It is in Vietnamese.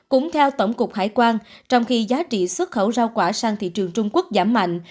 cũng theo tổng cục hải quan trong khi giá trị xuất khẩu rau quả sang thị trường trung quốc giảm mạnh